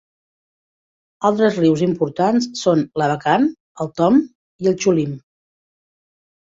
Altres rius importants són l'Abakan, el Tom, i el Txulim.